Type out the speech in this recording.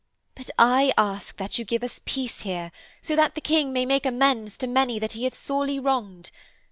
'But I ask that you give us peace here, so that the King may make amends to many that he hath sorely wronged.